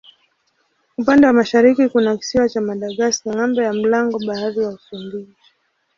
Upande wa mashariki kuna kisiwa cha Madagaska ng'ambo ya mlango bahari wa Msumbiji.